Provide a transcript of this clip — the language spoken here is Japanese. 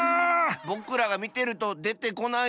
ぼくらがみてるとでてこないのかなあ。